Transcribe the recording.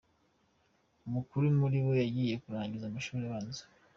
Umukuru muri bo agiye kurangiza amashuri abanza.